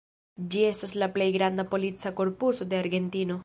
Ĝi estas la plej granda polica korpuso de Argentino.